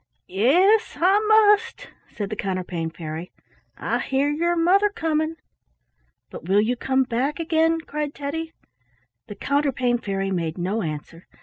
"Yes, I must," said the Counterpane Fairy. "I hear your mother coming." "But will you come back again?" cried Teddy. The Counterpane Fairy made no answer.